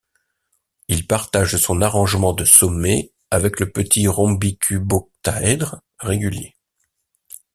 Il partage son arrangement de sommet avec le petit rhombicuboctaèdre régulier.